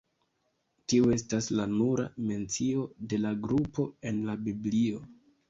Tiu estas la nura mencio de la grupo en la Biblio.